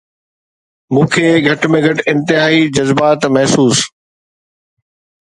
مون کي گهٽ ۾ گهٽ انتهائي جذبات محسوس